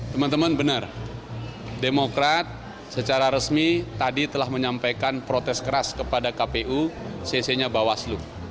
teman teman benar demokrat secara resmi tadi telah menyampaikan protes keras kepada kpu cc nya bawaslu